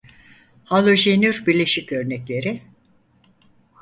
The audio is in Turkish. Halojenür bileşik örnekleri: